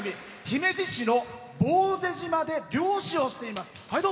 姫路市の坊勢島で漁師をしています。